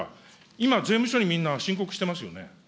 今、税務署にみんな申告してますよね。